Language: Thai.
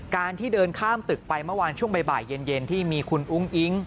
การที่เดินข้ามตึกไปเมื่อวานช่วงบ่ายเย็นที่มีคุณอุ้งอิ๊ง